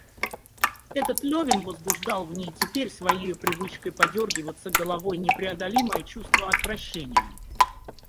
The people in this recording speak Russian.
Этот Левин возбуждал в ней теперь своею привычкой подёргиваться головой непреодолимое чувство отвращения.